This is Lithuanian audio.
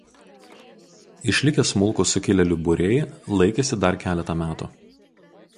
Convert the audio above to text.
Išlikę smulkūs sukilėlių būriai laikėsi dar keletą metų.